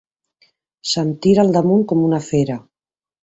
Se'm tirà al damunt com una fera.